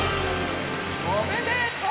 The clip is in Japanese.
おめでとう！